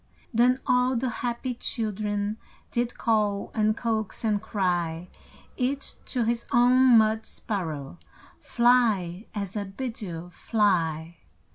Then all the happy children Did call, and coax, and cry Each to his own mud sparrow: "Fly, as I bid you! Fly!"